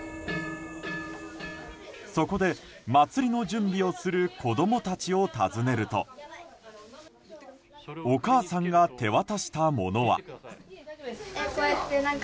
そこで祭りの準備をする子供たちを訪ねるとお母さんが手渡したものは。